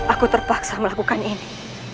aku terpaksa melakukan ini